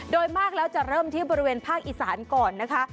โดยมากแล้วจะเริ่มที่บริเวณภาคอีสานก่อนนะคะ